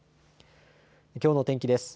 きょうの天気です。